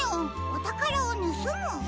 おたからをぬすむ」？